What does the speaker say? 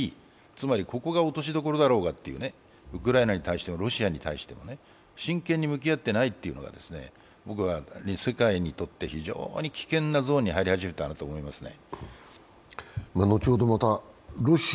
つまりここが落としどころだろうがというウクライナに対してもロシアに対しても真剣に向き合っていないというのが僕は世界にとって非常に危険なゾーンに入り始めたと思いますね。